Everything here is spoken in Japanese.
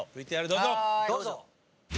どうぞ！